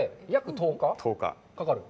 １０日かかる。